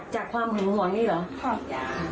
จากความหึงห่วงนี่เหรอ